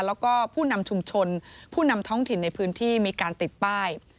แล้วก็ผู้นำชุมชนผู้นำท้องถิ่นในพื้นที่มีการติดป้าย